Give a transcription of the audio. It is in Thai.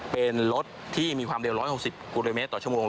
เป็นรถที่มีความเร็ว๑๖๐กิโลเมตรต่อชั่วโมง